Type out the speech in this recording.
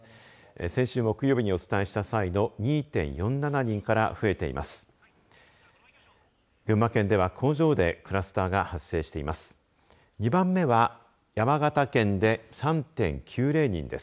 先週木曜日にお伝えした際の２．４７人から増えています。